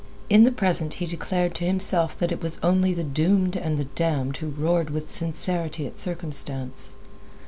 In the present, he declared to himself that it was only the doomed and the damned who roared with sincerity at circumstance.